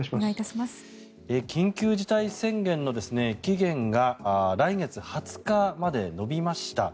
緊急事態宣言の期限が来月２０日まで延びました。